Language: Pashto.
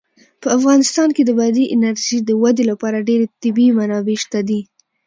په افغانستان کې د بادي انرژي د ودې لپاره ډېرې طبیعي منابع شته دي.